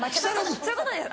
そういうことです